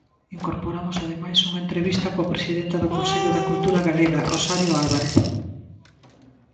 Incorporamos ademais unha entrevista coa presidenta do Consello da Cultura Galega, Rosario Álvarez.